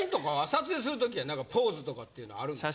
撮影する時は何かポーズとかっていうのはあるんですか？